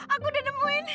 aku udah nemuin